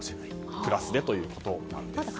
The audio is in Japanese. プラスでということです。